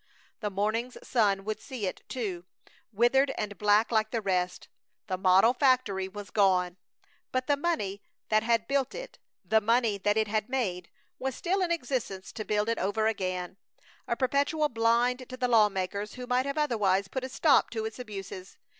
The morning's sun would see it, too, withered and black like the rest. The model factory was gone! But the money that had built it, the money that it had made, was still in existence to build it over again, a perpetual blind to the lawmakers who might have otherwise put a stop to its abuses!